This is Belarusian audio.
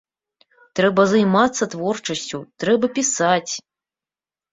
Трэба займацца творчасцю, трэба пісаць!